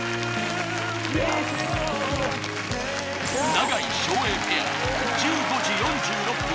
永井・照英ペア１５時４６分